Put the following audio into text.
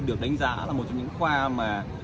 được đánh giá là một trong những khoa mà